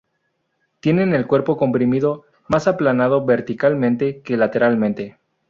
Tienen el cuerpo comprimido, más aplanado verticalmente que lateralmente.